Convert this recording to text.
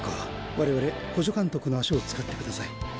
我々補助監督の足を使ってください。